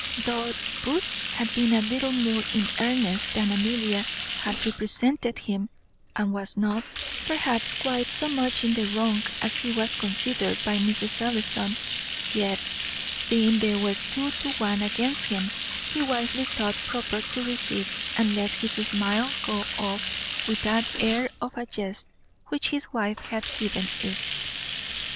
Though Booth had been a little more in earnest than Amelia had represented him, and was not, perhaps, quite so much in the wrong as he was considered by Mrs. Ellison, yet, seeing there were two to one against him, he wisely thought proper to recede, and let his simile go off with that air of a jest which his wife had given it.